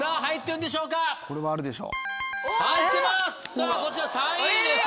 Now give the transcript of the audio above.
さぁこちら３位です。